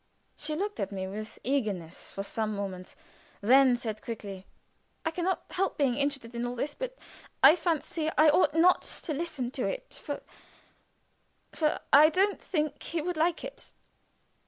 She looked at me with eagerness for some moments; then said, quickly: "I can not help being interested in all this, but I fancy I ought not to listen to it, for for I don't think he would like it.